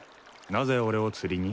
なぜ俺を釣りに？